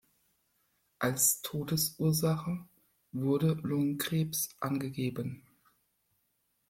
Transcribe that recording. Als Todesursache wurde Lungenkrebs angegeben.